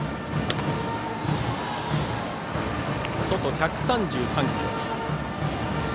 外、１３３キロ。